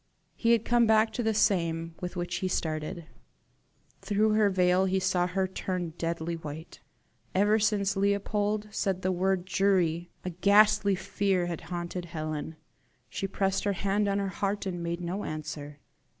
He had come back to the same with which he started. Through her veil he saw her turn deadly white. Ever since Leopold said the word JURY, a ghastly fear had haunted Helen. She pressed her hand on her heart and made no answer.